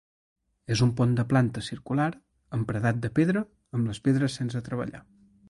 És un pont de planta circular amb paredat de pedra, amb les pedres sense treballar.